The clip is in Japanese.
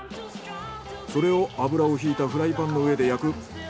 それを油をひいたフライパンの上で焼く。